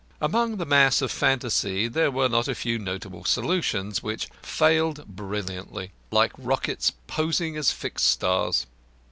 Among the mass of fantasy there were not a few notable solutions, which failed brilliantly, like rockets posing as fixed stars.